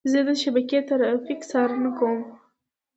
زه د شبکې ترافیک څارنه کوم.